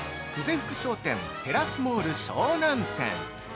福商店テラスモール湘南店。